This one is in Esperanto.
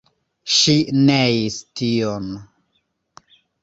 Ŝi neis tion.